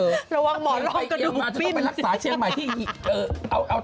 ระวังหมอร่องกระดูกนะคะ